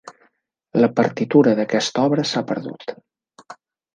La partitura d'aquesta obra s'ha perdut.